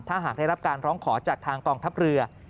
ถ้าหากได้รับการร้องขอจากทางกองทัพเรือ